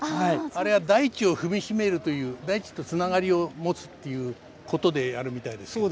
あれは大地を踏み締めるという大地とつながりを持つっていうことでやるみたいですけど。